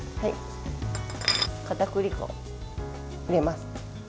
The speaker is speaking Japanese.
かたくり粉を入れます。